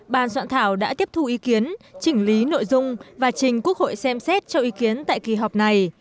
ban soạn thảo đã tiếp thu ý kiến chỉnh lý nội dung và trình quốc hội xem xét cho ý kiến tại kỳ họp này